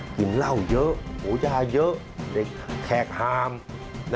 กินเหล้าเยอะโหยาเยอะเด็กแขกฮาม